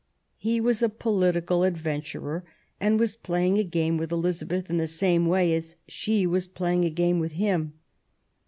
He was a political adventurer, and was playing a game with Elizabeth in the same way as she was playing a game with him.